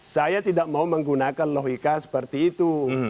saya tidak mau menggunakan logika seperti itu